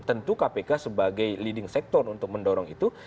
tentu kpk sebagai leading sector untuk mendorong itu